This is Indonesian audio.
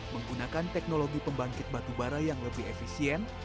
menggunakan teknologi pembangkit batubara yang lebih efisien